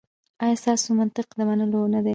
ایا ستاسو منطق د منلو نه دی؟